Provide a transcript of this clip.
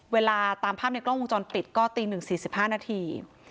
เวลาตามภาพในกล้องวงจรปิดก็ตี๑๔๕นาที